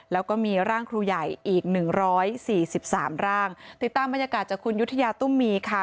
แล้วก็มีร่างครูใหญ่อีก๑๔๓ร่างติดตามบรรยากาศจากคุณยุธยาตุ้มมีค่ะ